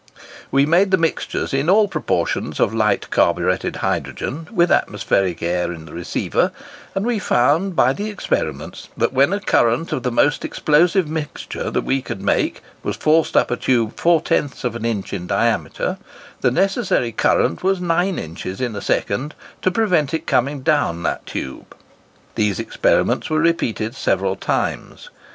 We made the mixtures in all proportions of light carburetted hydrogen with atmospheric air in the receiver, and we found by the experiments that when a current of the most explosive mixture that we could make was forced up a tube 4/10 of an inch in diameter, the necessary current was 9 inches in a second to prevent its coming down that tube. These experiments were repeated several times.